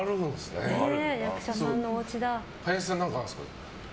林さん、何かあるんですか？